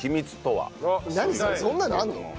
そんなのあるの？